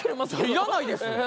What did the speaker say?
要らないです。